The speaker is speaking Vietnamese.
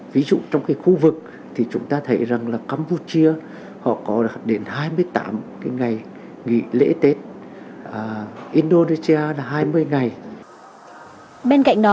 ví dụ trong cái khu vực thì chúng ta thấy rằng là campuchia họ có đến hai mươi tám cái ngày nghỉ lễ tết indonesia là hai mươi ngày